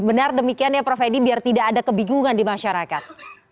benar demikian ya prof edi biar tidak ada kebingungan di masyarakat